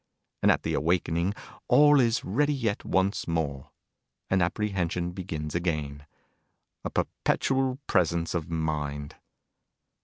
And at the awakening all is ready yet once more, and apprehension begins again: a perpetual presence of mind.